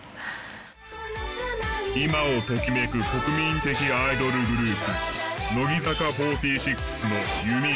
今をときめく国民的アイドルグループ乃木坂４６の弓木奈於。